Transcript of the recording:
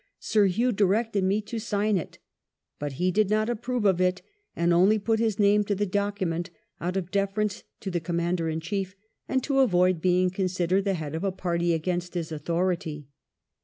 Sir Hew directed me to sign it;" but he did not approve of it, and only put his name to the document out of deference to the Commander in Chief, and "to avoid being considered the head of a party against his authority."